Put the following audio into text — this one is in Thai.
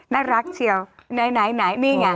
น่ารักเชียวไหนนี่ไง